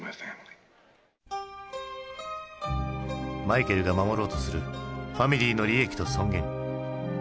マイケルが守ろうとするファミリーの利益と尊厳。